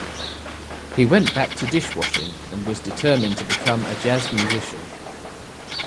He went back to dishwashing, and was determined to become a jazz musician.